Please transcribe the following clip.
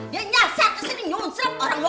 dia nyaset kesini nyusrep orang lo